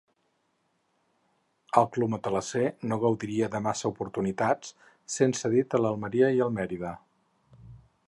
Al club matalasser no gaudiria de massa oportunitats, sent cedit a l'Almeria i al Mèrida.